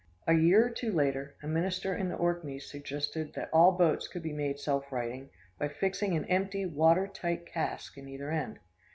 A year or two later, a minister in the Orkneys suggested that all boats could be made self righting by fixing an empty water tight cask in either end.